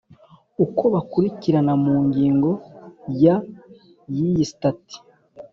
Uko bakurikirana mu ngingo ya y iyi stati